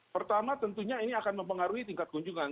pertama tentunya ini akan mempengaruhi tingkat kunjungan